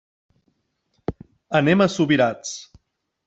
Anem a Subirats.